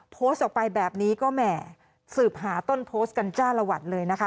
โพสต์ออกไปแบบนี้ก็แหม่สืบหาต้นโพสต์กันจ้าละหวัดเลยนะคะ